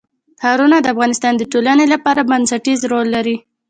ښارونه د افغانستان د ټولنې لپاره بنسټيز رول لري.